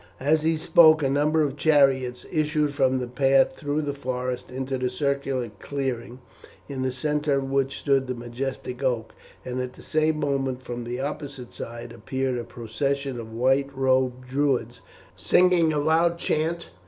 As he spoke a number of chariots issued from the path through the forest into the circular clearing, in the centre of which stood the majestic oak, and at the same moment, from the opposite side, appeared a procession of white robed Druids singing a loud chant.